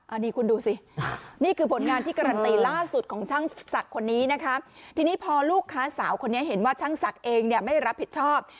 อันนี้คุณดูสินี่คือผลงานที่การันตีล่าสุดของช่างศักดิ์คนนี้นะคะทีนี้พอลูกค้าสาวคนนี้เห็นว่าช่างศักดิ์เองเนี่ยไม่รับผิดชอบ